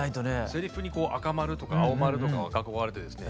せりふに赤丸とか青丸とか囲われてですね